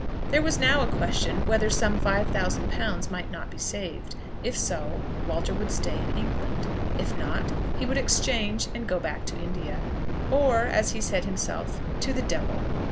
There was now a question whether some five thousand pounds might not be saved. If so, Walter would stay in England; if not, he would exchange and go back to India; "or," as he said himself, "to the Devil."